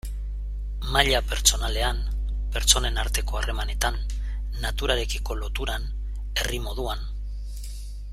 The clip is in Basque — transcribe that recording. Maila pertsonalean, pertsonen arteko harremanetan, naturarekiko loturan, herri moduan...